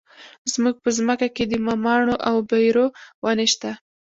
زموږ په ځمکه کې د مماڼو او بیرو ونې شته.